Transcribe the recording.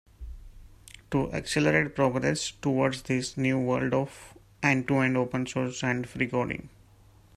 To accelerate progress towards this new world of end-to-end open source hands-free coding.